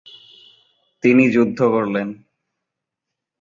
তিনি যুদ্ধ করলেন।